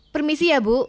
permisi ya bu